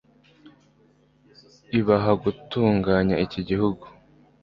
ibaha gutunganya iki gihugu